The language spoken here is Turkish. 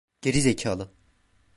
Geri zekalı!